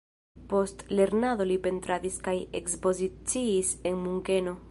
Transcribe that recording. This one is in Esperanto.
Post lernado li pentradis kaj ekspoziciis en Munkeno.